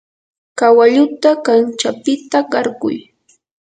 kawalluta kanchapita qarquy.